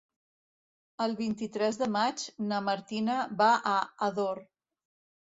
El vint-i-tres de maig na Martina va a Ador.